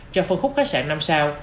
cho phương khúc khách sạn năm sao